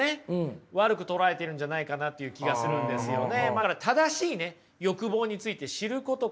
悪く捉えているんじゃないかなっていう気がするんですよね。